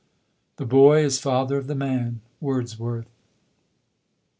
The boy is father of the man." Wordsworth.